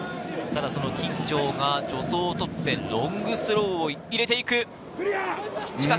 金城が助走をとって、ロングスローを入れていく。